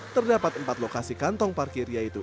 terdapat empat lokasi kantong parkir yaitu